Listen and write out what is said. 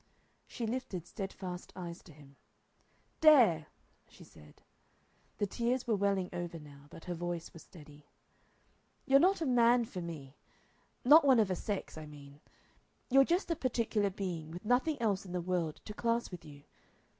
She lifted steadfast eyes to him. "Dare!" she said. The tears were welling over now, but her voice was steady. "You're not a man for me not one of a sex, I mean. You're just a particular being with nothing else in the world to class with you.